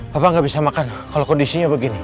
papa gak bisa makan kalau kondisinya begini